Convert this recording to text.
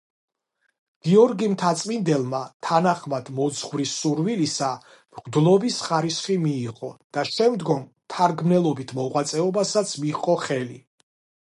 გიორგი მთაწმინდელმა, თანახმად მოძღვრის სურვილისა, მღვდლობის ხარისხი მიიღო და შემდგომ მთარგმნელობით მოღვაწეობასაც მიჰყო ხელი.